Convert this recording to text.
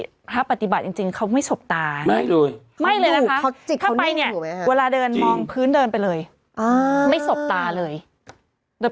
ทหารปฏิบัติจริงจริงเขาไม่สบตาไหมไม่เลย